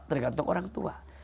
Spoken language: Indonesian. tergantung orang tua